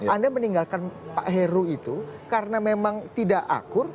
anda meninggalkan pak heru itu karena memang tidak akur